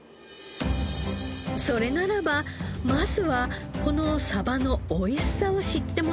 それならばまずはこのサバの美味しさを知ってもらおう。